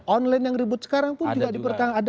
online yang ribut sekarang pun juga dipertanggung jawab